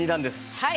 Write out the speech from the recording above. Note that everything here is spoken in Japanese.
はい。